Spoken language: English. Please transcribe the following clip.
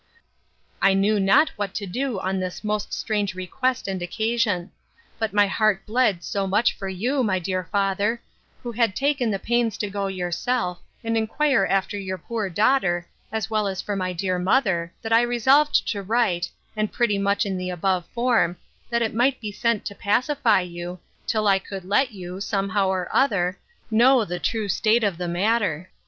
I knew not what to do on this most strange request and occasion. But my heart bled so much for you, my dear father, who had taken the pains to go yourself, and inquire after your poor daughter, as well as for my dear mother, that I resolved to write, and pretty much in the above form, that it might be sent to pacify you, till I could let you, somehow or other, know the true state of the matter.